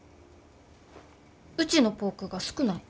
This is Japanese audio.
うちのポークが少ない。